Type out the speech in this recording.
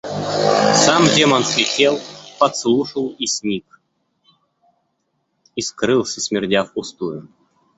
Сам Демон слетел, подслушал, и сник, и скрылся, смердя впустую.